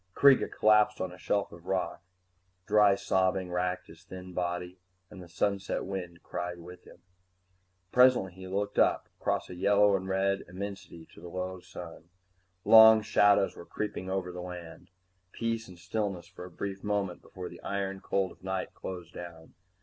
Kreega collapsed on a shelf of rock. Dry sobbing racked his thin body, and the sunset wind cried with him. Presently he looked up, across a red and yellow immensity to the low sun. Long shadows were creeping over the land, peace and stillness for a brief moment before the iron cold of night closed down.